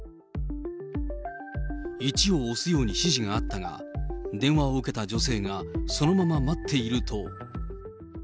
１を押すように指示があったが、電話を受けた女性が、そのまま待っていると。